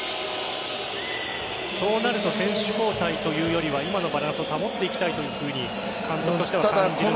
そうなると選手交代というよりは今のバランスを保っていきたいと監督としては感じるんですか？